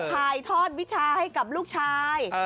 ถ่ายทอดวิชาให้กับลูกชาย